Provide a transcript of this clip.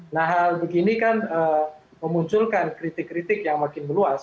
nah hal begini kan memunculkan kritik kritik yang makin meluas